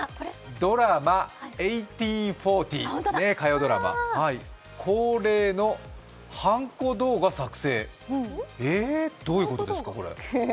ドラマ「１８／４０」、火曜ドラマ、恒例のはんこ動画作成、ええっ、どういうことですか、これ？